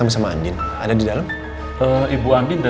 anak saya di atas rumah ini